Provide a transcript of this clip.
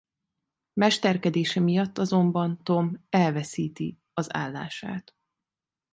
Mesterkedése miatt azonban Tom elveszíti az állását.